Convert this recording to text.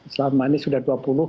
selama ini sudah dua puluh